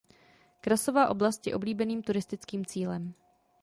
Krasová oblast je oblíbeným turistickým cílem.